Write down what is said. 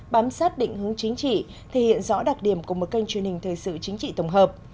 bám sát định hướng chính trị thể hiện rõ đặc điểm của một kênh truyền hình thời sự chính trị tổng hợp